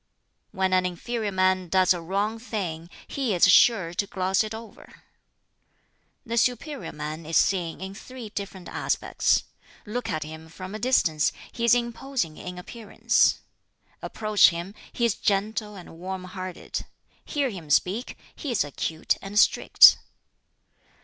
"When an inferior man does a wrong thing, he is sure to gloss it over. "The superior man is seen in three different aspects: look at him from a distance, he is imposing in appearance; approach him, he is gentle and warm hearted; hear him speak, he is acute and strict.